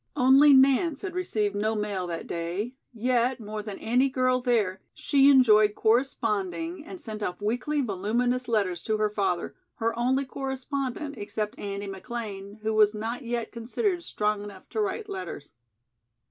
Only Nance had received no mail that day; yet, more than any girl there, she enjoyed corresponding and sent off weekly voluminous letters to her father, her only correspondent except Andy McLean, who was not yet considered strong enough to write letters.